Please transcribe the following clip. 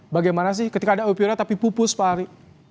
bagaimana sih ketika ada opiora tapi pupus pak ari